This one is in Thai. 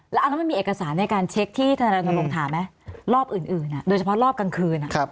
แล้วมันมีเอกสารในการเช็คที่ธนาฬังธรรมฐานะรอบอื่นโดยเฉพาะรอบกลางคืน